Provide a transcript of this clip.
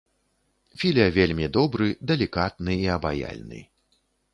Філя вельмі добры, далікатны і абаяльны.